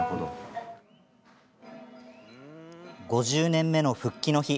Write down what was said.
５０年目の復帰の日。